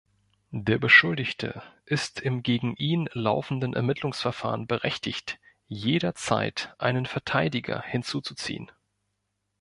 Der Beschuldigte ist im gegen ihn laufenden Ermittlungsverfahren berechtigt, jederzeit einen Verteidiger hinzuzuziehen.